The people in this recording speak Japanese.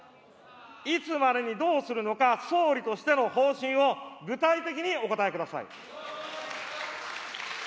いつまでにどうするのか、総理としての方針を具体的にお答えください。